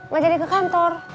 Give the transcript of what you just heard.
mau jadi ke kantor